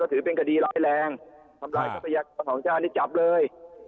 ถือเป็นคดีร้ายแรงทำร้ายทรัพยากรของชาตินี่จับเลย